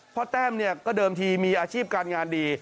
แต้มเนี่ยก็เดิมทีมีอาชีพการงานดี